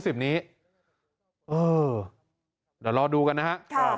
เดี๋ยวรอดูกันนะครับ